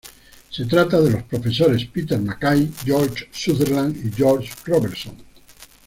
Se trata de los profesores Peter Mackay, George Sutherland y George Robertson.